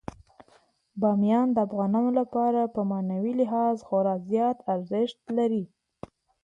بامیان د افغانانو لپاره په معنوي لحاظ خورا زیات ارزښت لري.